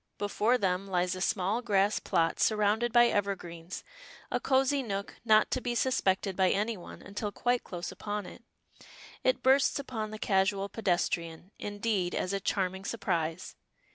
Before them lies a small grass plot surrounded by evergreens, a cosy nook not to be suspected by any one until quite close upon it. It bursts upon the casual pedestrian, indeed, as a charming surprise.